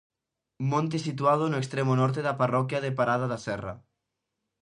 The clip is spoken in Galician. Monte situado no extremo norte da parroquia de Parada da Serra.